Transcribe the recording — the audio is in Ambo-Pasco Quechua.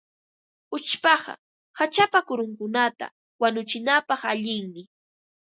Uchpaqa hachapa kurunkunata wanuchinapaq allinmi.